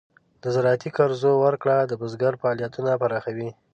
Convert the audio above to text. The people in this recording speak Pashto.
د زراعتي قرضو ورکړه د بزګر فعالیتونه پراخوي.